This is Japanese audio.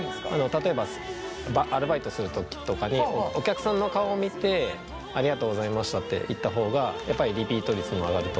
例えばアルバイトする時とかにお客さんの顔を見てありがとうございましたって言った方がやっぱりリピート率も上がると。